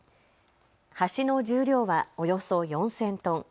橋の重量はおよそ４０００トン。